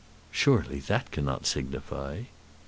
"Surely that cannot signify."